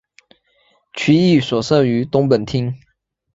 区役所设于东本町。